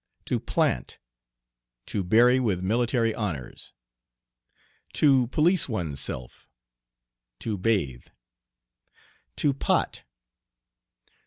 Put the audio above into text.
"To plant." To bury with military honors. "To police one's self." To bathe. "To pot."